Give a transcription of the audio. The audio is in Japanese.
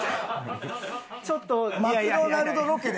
ちょっと。